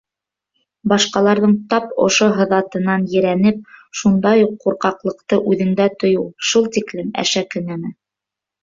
Башҡаларҙың тап ошо һыҙатынан ерәнеп, шундай уҡ ҡурҡаҡлыҡты үҙеңдә тойоу шул тиклем әшәке нәмә.